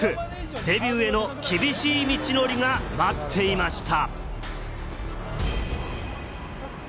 デビューへの厳しい道のりが待っていました。